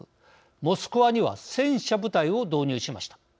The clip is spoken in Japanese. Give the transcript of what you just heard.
モスクワには戦車部隊を導入しました。